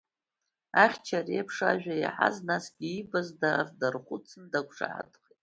Ахьча ари еиԥш ажәа иаҳаз, насгьы иибаз даара дархәыцын, дақәшаҳаҭхеит.